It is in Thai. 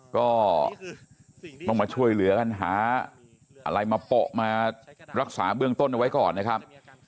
ก็ต้องมาช่วยเหลือกันหาอะไรมาโปะมารักษาเบื้องต้นเอาไว้ก่อนนะครับ